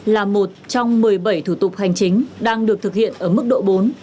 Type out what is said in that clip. là một trong một mươi bảy thủ tục hành chính đang được thực hiện ở mức độ bốn